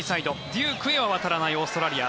デュークへは渡らないオーストラリア。